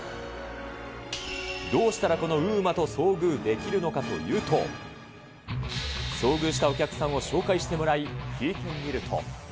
どうしたらこのＵＭＡと遭遇できるのかというと、遭遇したお客さんを紹介してもらい、聞いてみると。